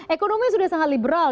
ekonominya sudah sangat liberal